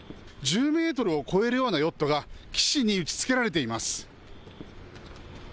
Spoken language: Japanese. １０メートルを超えるようなヨットが岸に打ちつけられています。